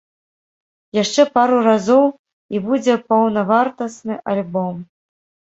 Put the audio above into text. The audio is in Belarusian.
Яшчэ пару разоў і будзе паўнавартасны альбом!